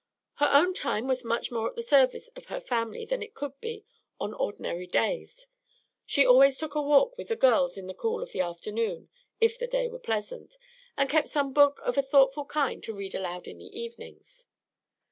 Her own time was much more at the service of her family than it could be on ordinary days. She always took a walk with the girls in the cool of the afternoon, if the day were pleasant, and kept some book of a thoughtful kind to read aloud in the evenings.